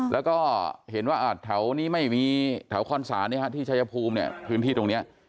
แล้วก็เห็นว่าแถวนี้แถวคอร์นศาลที่ชายภูมิพื้นที่ตรงนี้